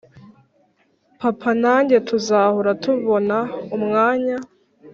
papa nanjye tuzahora tubona umwanya